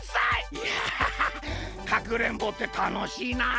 いやかくれんぼってたのしいな！